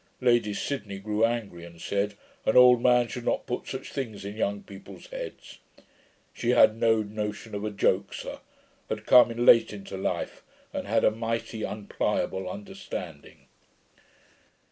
Lady Sydney grew angry, and said, "an old man should not put such things in young people's heads". She had no notion of a joke, sir; had come late into life, and had a mighty unpliable understanding.